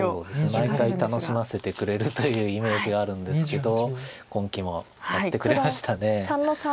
毎回楽しませてくれるというイメージがあるんですけど今期もやってくれました。